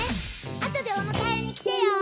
あとでおむかえにきてよ。